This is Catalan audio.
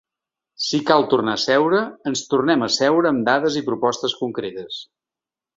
Si cal tornar a seure, ens tornem a seure amb dades i propostes concretes.